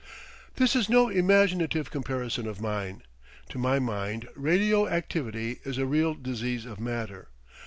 This is no imaginative comparison of mine. To my mind radio activity is a real disease of matter.